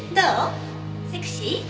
セクシー？